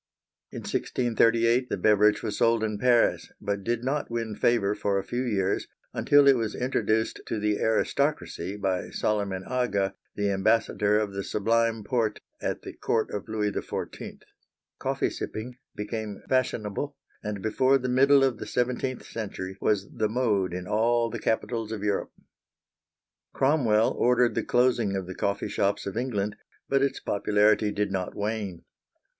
In 1638 the beverage was sold in Paris, but did not win favor for a few years until it was introduced to the aristocracy by Soliman Aga, the Ambassador of the Sublime Porte at the Court of Louis XIV. Coffee sipping became fashionable, and before the middle of the seventeenth century was the mode in all the capitals of Europe. Cromwell ordered the closing of the coffee shops of England, but its popularity did not wane.